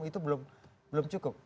itu belum cukup